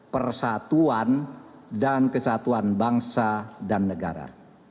persatuan dan kesatuan bangsa dan negara